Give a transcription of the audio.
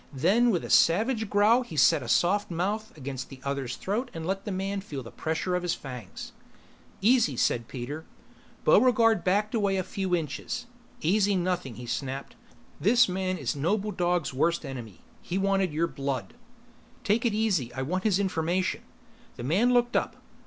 Then with a savage growl he set a soft mouth against the other's throat and let the man feel the pressure of his fangs. "Easy," said Peter. Buregarde backed away a few inches. "Easy nothing," he snapped. "This man is the noble dog's worst enemy. He wanted your blood." "Take it easy. I want his information." The man looked up.